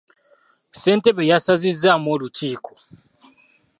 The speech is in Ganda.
Ssentebe yasazizaamu olukiiko.